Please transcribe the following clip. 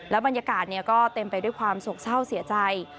บรรยากาศก็เต็มไปด้วยความโศกเศร้าเสียใจ